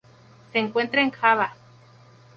Se encuentra en Java.